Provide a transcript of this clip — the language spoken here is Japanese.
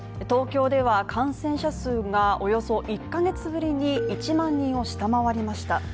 東京では感染者数がおよそ１カ月ぶりに１万人を下回りました。